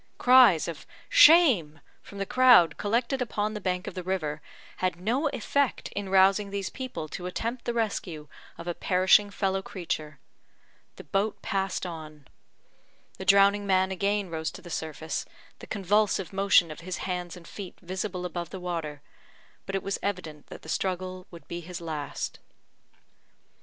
Cries of "Shame!" from the crowd collected upon the bank of the river, had no effect in rousing these people to attempt the rescue of a perishing fellow creature. The boat passed on. The drowning man again rose to the surface, the convulsive motion of his hands and feet visible above the water, but it was evident that the struggle would be his last.